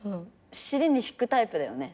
尻に敷くタイプだよね。